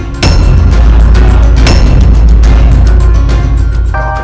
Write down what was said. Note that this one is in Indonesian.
kau akan ditukar